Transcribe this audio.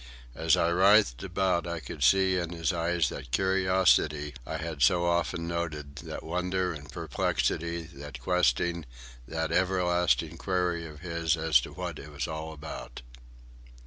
As I writhed about I could see in his eyes that curiosity I had so often noted, that wonder and perplexity, that questing, that everlasting query of his as to what it was all about.